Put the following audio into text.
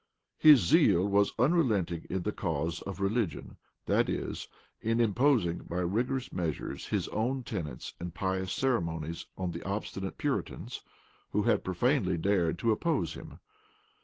His zeal was unrelenting in the cause of religion; that is, in imposing by rigorous measures his own tenets and pious ceremonies on the obstinate Puritans, who had profanely dared to oppose him.